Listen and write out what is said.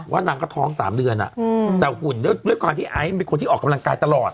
ว่านางก็ท้อง๓เดือนด้วยคนที่ออกกำลังกายตลอด